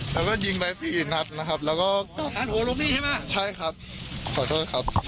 แล้วก็ยิงไปผิดนัดนะครับแล้วก็ใช่ครับขอโทษครับ